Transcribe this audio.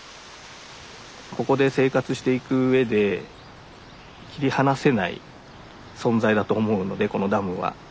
ここで生活していく上で切り離せない存在だと思うのでこのダムは。